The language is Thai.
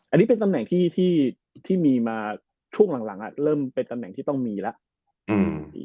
อันนี้เป็นตำแหน่งที่มีมาช่วงหลังเริ่มเป็นตำแหน่งที่ต้องมีแล้ว